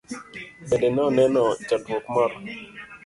Bende noneno chandruok moro?